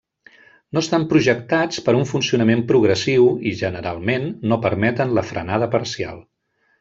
No estan projectats per a un funcionament progressiu i, generalment, no permeten la frenada parcial.